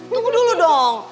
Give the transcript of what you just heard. tunggu dulu dong